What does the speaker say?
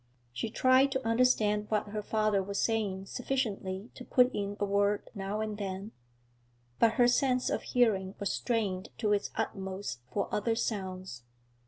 She tried to understand what her father was saying sufficiently to put in a word now and then, but her sense of hearing was strained to its utmost for other sounds.